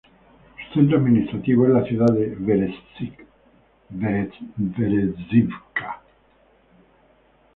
Su centro administrativo es la ciudad de Berezivka.